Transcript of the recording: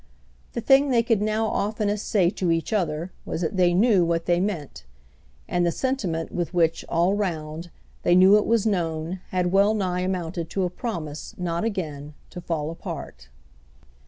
The thing they could now oftenest say to each other was that they knew what they meant; and the sentiment with which, all round, they knew it was known had well nigh amounted to a promise not again to fall apart.